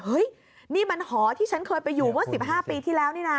เฮ้ยนี่มันหอที่ฉันเคยไปอยู่เมื่อ๑๕ปีที่แล้วนี่นะ